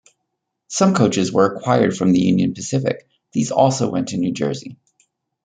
Some coaches were acquired from the Union Pacific; these also went to New Jersey.